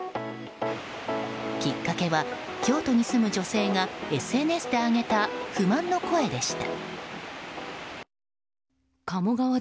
きっかけは、京都に住む女性がＳＮＳで上げた不満の声でした。